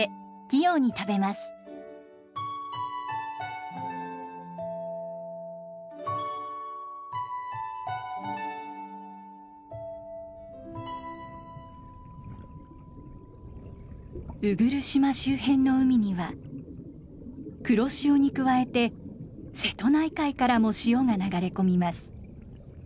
鵜来島周辺の海には黒潮に加えて瀬戸内海からも潮が流れ込みます。